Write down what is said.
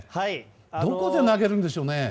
どこで投げるんでしょうね。